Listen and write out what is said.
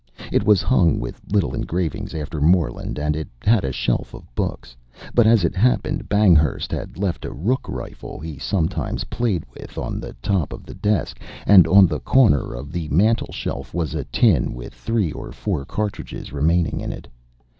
It was hung with little engravings after Morland and it had a shelf of books. But as it happened, Banghurst had left a rook rifle he sometimes played with on the top of the desk, and on the corner of the mantelshelf was a tin with three or four cartridges remaining in it.